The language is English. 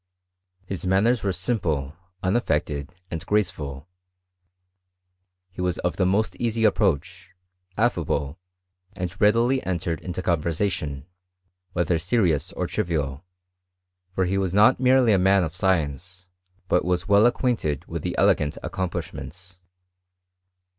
His man ners were simple, unafifected, and graceful ; he was of the most easy approach, affable, and readily entered into conversation, whether serious or trivial : for he was not merely a man of science, but was well ac quainted with the elegant accomplishments.